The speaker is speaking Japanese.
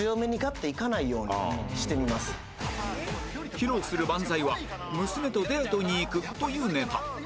披露する漫才は娘とデートに行くというネタ